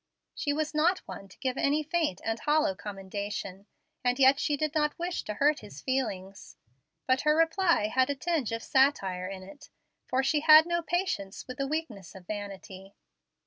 She was not one to give any faint and hollow commendation, and yet she did not wish to hurt his feelings. But her reply had a tinge of satire in it, for she had no patience with the weakness of vanity.